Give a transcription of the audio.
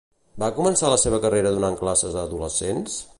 Va començar la seva carrera donant classes a adolescents?